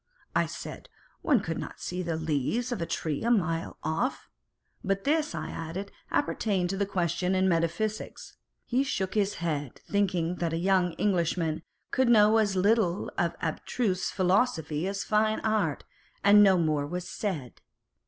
I said, one could not see the leaves of a tree a mile off, but this, I added, appertained to a question in metaphysics. He shook his head, thinking that a young Englishman could know as little of abstruse philosophy as of fine art, and no more was said.